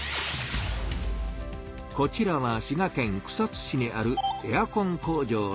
こちらは滋賀県草津市にあるエアコン工場です。